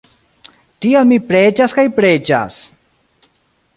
Tial mi preĝas kaj preĝas!